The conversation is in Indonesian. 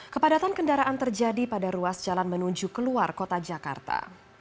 kepadatan kendaraan terjadi pada ruas jalan menuju ke luar kota jakarta